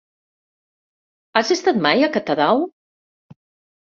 Has estat mai a Catadau?